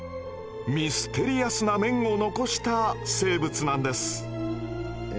ミステリアスな面を残した生物なんです。